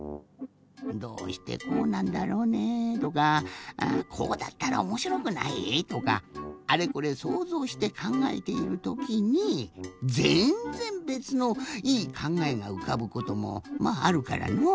どうしてこうなんだろうね？とかこうだったらおもしろくない？とかあれこれそうぞうしてかんがえているときにぜんぜんべつのいいかんがえがうかぶこともまああるからのう。